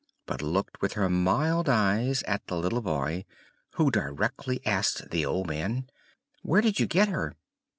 but looked with her mild eyes at the little boy, who directly asked the old man, "Where did you get her?"